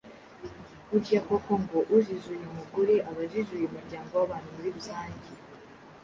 Burya koko ngo ujijuye umugore aba ajijuye umuryango w’abantu muri rusange.